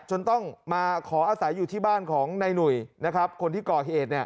จนต้องมาขออาศัยอยู่ที่บ้านของนายหนุ่ยคนที่ก่อเหตุ